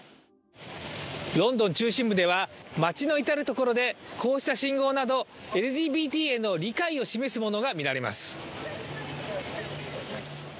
ロンドン中心部では街の至るところで、こうした信号などＬＧＢＴへの理解を示すものが見られます。